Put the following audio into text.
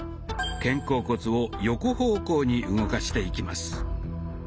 肩甲骨を横方向に動かしていきます。